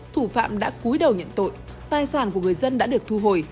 thủ phạm đã cuối đầu nhận tội tài sản của người dân đã được thu hồi